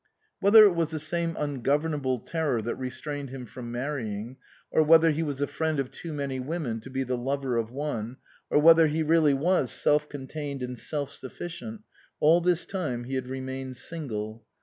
Whether it was the same ungovernable terror that restrained him from marrying, or whether he was the friend of too many women to be the lover of one, or whether he really was self contained and self sufficient, all this time he had remained single.